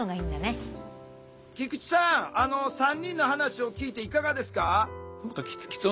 菊池さん３人の話を聞いていかがですか？